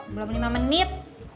belum lima menit